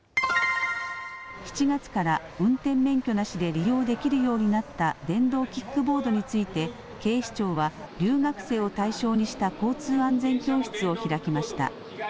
７月から運転免許なしで利用できるようになった電動キックボードについて警視庁は留学生を対象にした交通安全教室を開きました。